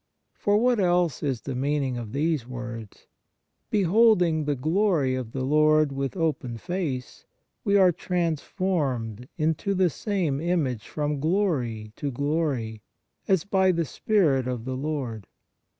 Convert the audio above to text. For what else is the meaning of these words: " Beholding the glory of the Lord with open face, we are transformed into the same image from glory to glory, as by the Spirit (rf the Lord